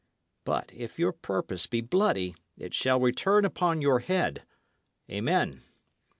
But if your purpose be bloody, it shall return upon your head. Amen!"